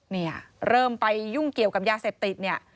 เนี่ยเริ่มไปยุ่งเกี่ยวกับยาเสพติดเนี่ย